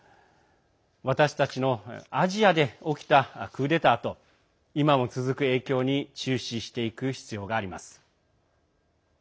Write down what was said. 私たちのアジアで起きたクーデターと今も続く影響に注視していく必要があります。